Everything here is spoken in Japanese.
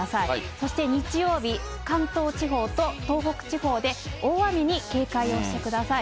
そして日曜日、関東地方と東北地方で大雨に警戒をしてください。